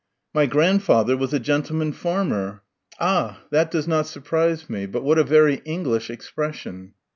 "My grandfather was a gentleman farmer." "Ah that does not surprise me but what a very English expression!"